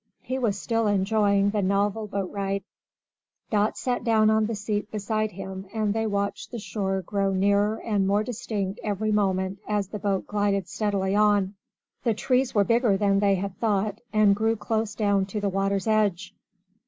He was still enjoying the novel boat ride. Dot sat down on the seat beside him, and they watched the shore grow nearer and more distinct every moment as the boat glided steadily on. The trees were bigger than they had thought, and grew close down to the water's edge.